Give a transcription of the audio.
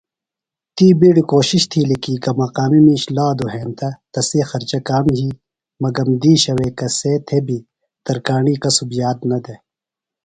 تی بِیڈیۡ کوشِش تِھیلیۡ کی گہ مقامی مِیش لادُوۡ ہینتہ تسی خرچہ کام یھی مگم دِیشہ وے کسے تھےۡ بیۡ ترکیݨی کسُب یاد نہ دےۡ۔